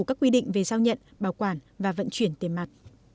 các quy định về giao nhận bảo quản và vận chuyển tiền mặt